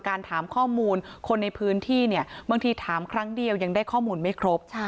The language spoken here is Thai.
ถามข้อมูลคนในพื้นที่เนี่ยบางทีถามครั้งเดียวยังได้ข้อมูลไม่ครบ